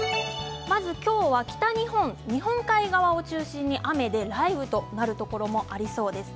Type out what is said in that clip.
まず今日は北日本、日本海側を中心に雨で雷雨となるところもありそうです。